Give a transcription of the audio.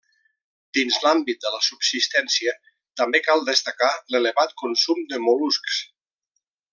Dins l'àmbit de la subsistència també cal destacar l'elevat consum de mol·luscs.